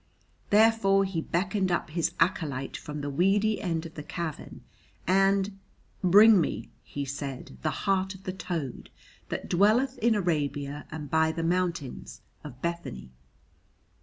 Therefore he beckoned up his acolyte from the weedy end of the cavern, and, "Bring me," he said, "the heart of the toad that dwelleth in Arabia and by the mountains of Bethany."